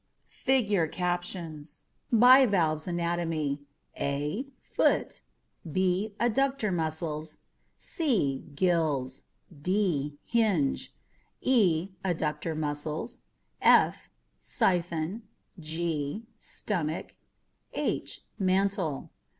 [figure captions] BIVALVE'S anatomy: a) foot, b) adductor muscles, c) gills, d) hinge, e) adductor muscles, f) siphon, g) stomach, h) mantle.